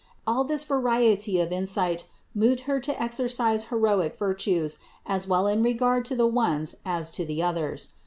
All this variety of insight moved Her to the exercise of heroic virtues as well in regard to the ones as to the others.